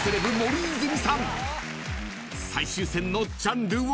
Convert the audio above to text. ［最終戦のジャンルは］